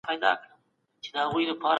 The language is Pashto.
وخت ډېر ارزښت لري.